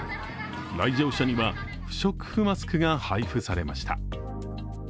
来場者には不織布マスクが配布されました。